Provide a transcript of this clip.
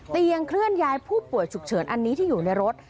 เคลื่อนย้ายผู้ป่วยฉุกเฉินอันนี้ที่อยู่ในรถ